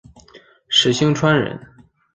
石星川人。